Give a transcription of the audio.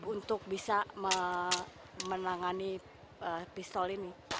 untuk bisa menangani pistol ini